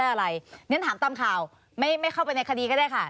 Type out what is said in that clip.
อะไรงั้นถามตามข่าวไม่เข้าไปในคดีก็ได้ค่ะ